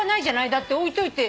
だって置いといて。